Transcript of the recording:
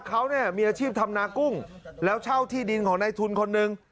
เขาเนี่ยมีอาชีพทำนากุ้งแล้วเช่าที่ดินของในทุนคนหนึ่ง